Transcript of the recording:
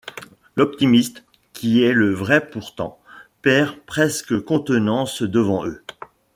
L’optimisme, qui est le vrai pourtant, perd presque contenance devant eux.